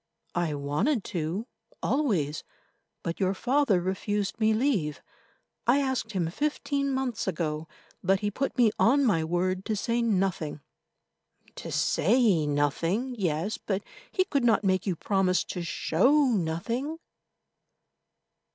"I wanted to, always, but your father refused me leave. I asked him fifteen months ago, but he put me on my word to say nothing." "To say nothing—yes, but he could not make you promise to show nothing."